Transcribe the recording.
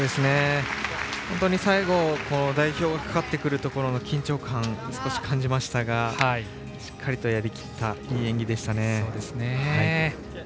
本当に最後代表がかかってくるところの緊張感を少し感じましたがしっかりとやりきったいい演技でしたね。